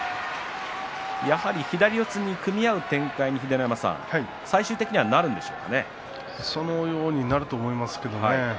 やはり左四つに組み合う展開にそのようになると思います。